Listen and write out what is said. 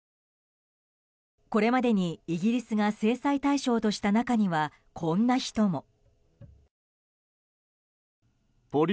これまでにイギリスが制裁対象とした中にはこんな人も。